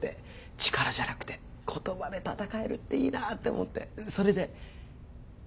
力じゃなくて言葉で戦えるっていいなって思ってそれで。